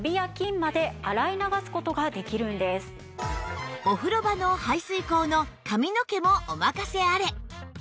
つまりはお風呂場の排水口の髪の毛もお任せあれ！